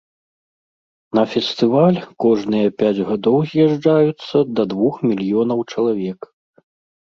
На фестываль кожныя пяць гадоў з'язджаюцца да двух мільёнаў чалавек.